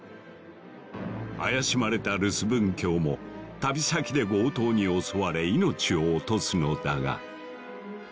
怪しまれたルスブン卿も旅先で強盗に襲われ命を落とすのだが。